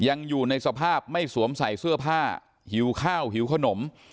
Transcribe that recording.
ยังอยู่ในสภาพไม่สวมใส่เสื้อผ้าหิวข้าวหิวขนม